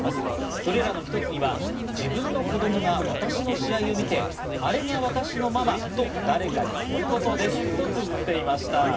それらの一つには、自分の子供が私の試合を見て、あれが私のママと誰かに言うことですとつづっていました。